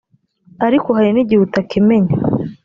ariko hari n’igihe utakimenya